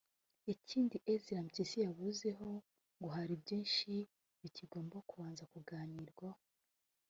Ikindi Ezra Mpyisi yavuzeho ngo hari byinshi bikigomba kubanza kuganirwaho